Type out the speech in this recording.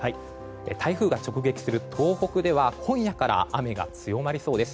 台風が直撃する東北では今夜から雨が強まりそうです。